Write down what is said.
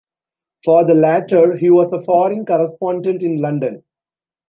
For the latter he was a foreign correspondent in London.